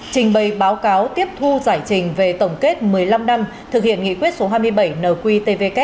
trình bày báo cáo tiếp thu giải trình về tổng kết một mươi năm năm thực hiện nghị quyết số hai mươi bảy nqtvk